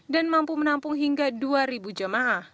dan mampu menampung hingga dua jemaah